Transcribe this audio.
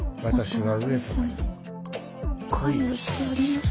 もとは上様に恋をしておりましたよ。